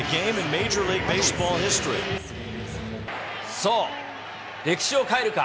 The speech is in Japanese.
そう、歴史を変えるか。